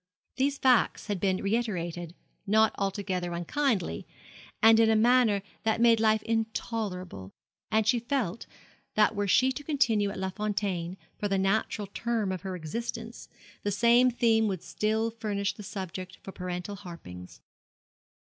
These facts had been reiterated, not altogether unkindly, but in a manner that made life intolerable; and she felt that were she to continue at Les Fontaines for the natural term of her existence, the same theme would still furnish the subject for parental harpings.